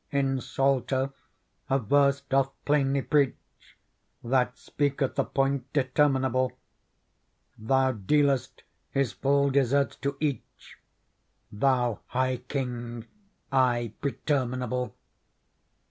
In Psalter a verse doth plainly preach That speaketh a point determinable :' Thou dealest his full deserts to each Thou high King ay preterminable.'